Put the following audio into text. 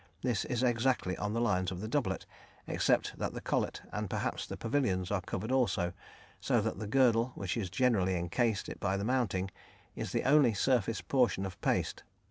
This is exactly on the lines of the doublet, except that the collet and perhaps the pavilions are covered also, so that the girdle, which is generally encased by the mounting, is the only surface portion of paste.